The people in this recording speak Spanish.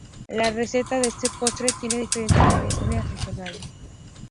La receta de este postre tiene diferentes variaciones regionales.